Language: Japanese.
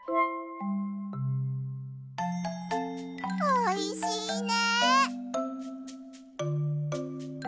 おいしいね。